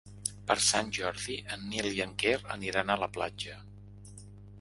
Per Sant Jordi en Nil i en Quer aniran a la platja.